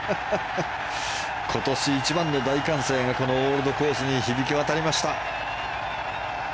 今年一番の大歓声がこのオールドコースに響き渡りました。